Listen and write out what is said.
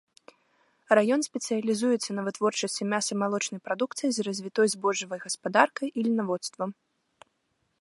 Раён спецыялізуецца на вытворчасці мяса-малочнай прадукцыі з развітой збожжавай гаспадаркай і льнаводствам.